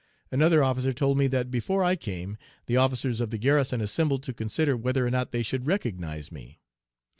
Another officer told me that before I came the officers of the garrison assembled to consider whether or not they should recognize me.